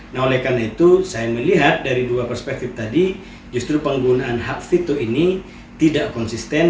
nah oleh karena itu saya melihat dari dua perspektif tadi justru penggunaan hak fitur ini tidak konsisten